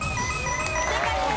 正解です。